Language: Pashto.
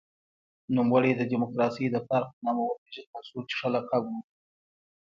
نوموړی د دموکراسۍ د پلار په نامه وپېژندل شو چې ښه لقب و.